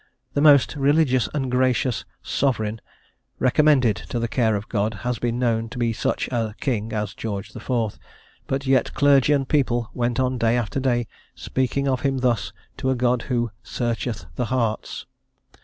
The "most religious and gracious" Sovereign recommended to the care of God has been known to be such a king as George IV., but yet clergy and people went on day after day speaking of him thus to a God who "searcheth the hearts."